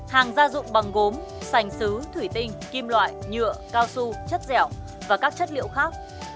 hàng gia dụng bằng gốm sành xứ thủy tinh kim loại nhựa cao su chất dẻo và các chất liệu khác